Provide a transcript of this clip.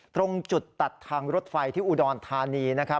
ตรงจุดตัดทางรถไฟที่อุดรธานีนะครับ